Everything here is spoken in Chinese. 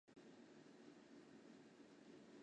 我最后的请求是牵着妳的手